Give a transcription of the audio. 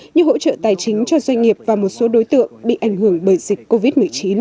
như hỗ trợ tài chính cho doanh nghiệp và một số đối tượng bị ảnh hưởng bởi dịch covid một mươi chín